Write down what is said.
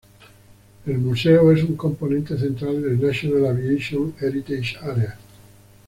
El museo es un componente central del National Aviation Heritage Area.